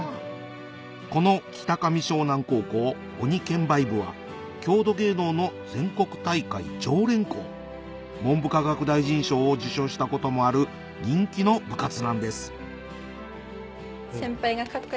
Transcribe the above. この北上翔南高校鬼剣舞部は郷土芸能の全国大会常連校文部科学大臣賞を受賞したこともある人気の部活なんです